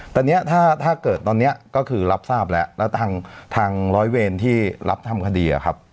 ตอนนี้ถ้าเกิดตอนนี้ก็คือรับทราบแล้วแล้วทางร้อยเวรที่รับทำคดีอะครับ